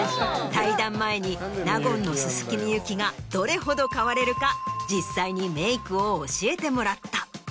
対談前に納言の薄幸がどれほど変われるか実際にメイクを教えてもらった。